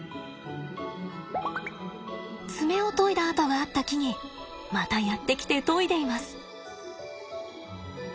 爪をといだ跡があった木にまたやって来てといでいます。